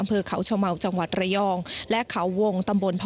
อำเภอเขาชาวเหมร